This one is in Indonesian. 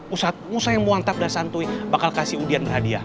ustadz musa yang mau antap dan santui bakal kasih udian berhadiah